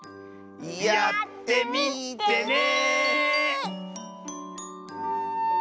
やってみてね！